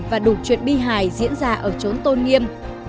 và đủ chuyện bi hài diễn ra ở trốn tôn nghiêm